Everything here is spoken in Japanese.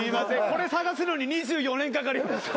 これ探すのに２４年かかりました。